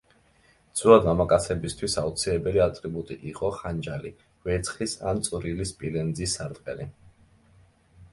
ძველად მამაკაცებისთვის აუცილებელი ატრიბუტი იყო ხანჯალი, ვერცხლის ან წვრილი სპილენძის სარტყელი.